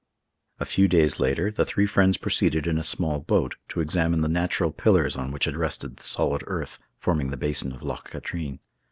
A few days later, the three friends proceeded in a small boat to examine the natural pillars on which had rested the solid earth forming the basin of Loch Katrine.